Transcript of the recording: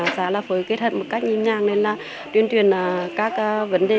xã là phối kết hợp một cách nhìn nhàng nên là tuyên truyền các vấn đề